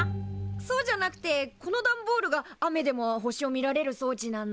そうじゃなくてこの段ボールが雨でも星を見られる装置なんだ。